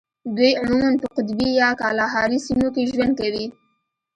دوی عموماً په قطبي یا کالاهاري سیمو کې ژوند کوي.